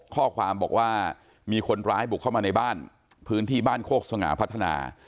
ข้อความบอกว่ามีคนร้ายบุกเข้ามาในบ้านพื้นที่บ้านโคกสง่าพัฒนา